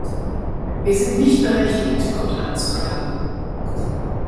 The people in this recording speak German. Wir sind nicht berechtigt, Gott anzuklagen.